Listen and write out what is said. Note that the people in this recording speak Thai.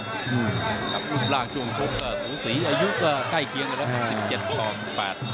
รูปร่างช่วงคลุมสูงสีอายุก็ใกล้เคียงกันครับ๑๗๑๘